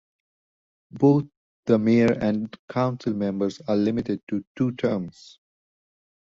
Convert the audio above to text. Both the mayor and council members are limited to two terms.